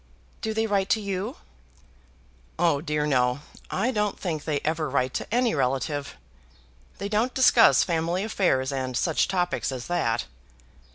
"Do they write to you?" "Oh, dear no. I don't think they ever write to any relative. They don't discuss family affairs and such topics as that.